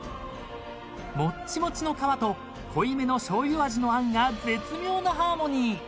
［もっちもちの皮と濃いめのしょうゆ味のあんが絶妙なハーモニー］